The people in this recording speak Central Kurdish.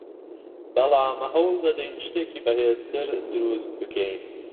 بەڵام هەوڵدەدەین شتێکی بەهێزتر دروست بکەین